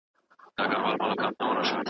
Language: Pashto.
ولي د بریا ترلاسه کول د قوي احساس غوښتنه کوي؟